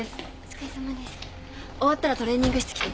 終わったらトレーニング室来て。